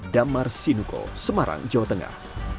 damar sinuko semarang jawa tengah